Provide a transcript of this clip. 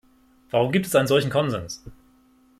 Warum gibt es einen solchen Konsens?